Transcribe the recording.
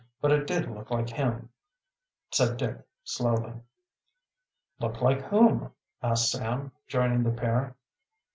But it did look like him," said Dick slowly. "Look like whom?" asked Sam, joining the pair.